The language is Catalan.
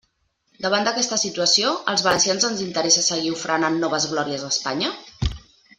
Davant d'aquesta situació, ¿als valencians ens interessa seguir ofrenant noves glòries a Espanya?